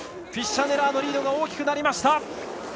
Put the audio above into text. フィッシャネラーのリードが大きくなりました。